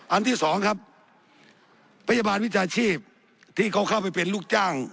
อันที่สองครับพยาบาลวิชาชีพที่เขาเข้าไปเป็นลูกจ้าง